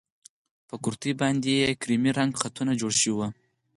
پر کورتۍ باندې يې کيريمي رنګه خطونه جوړ شوي وو.